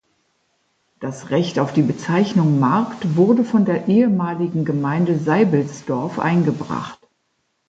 Das Recht auf die Bezeichnung "Markt" wurde von der ehemaligen Gemeinde Seibelsdorf eingebracht.